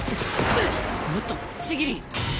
おっとちぎりん！